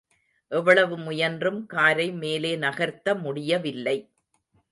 எவ்வளவு முயன்றும் காரை மேலே நகர்த்த முடியவில்லை.